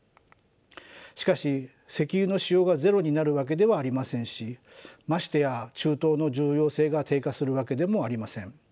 しかし石油の使用がゼロになるわけではありませんしましてや中東の重要性が低下するわけでもありません。